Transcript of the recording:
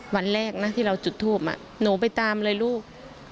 วันแรกนะที่เราจุดทูปหนูไปตามเลยลูก